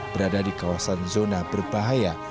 berada di kawasan zona berbahaya